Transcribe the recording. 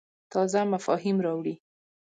تازه مفاهیم راوړې.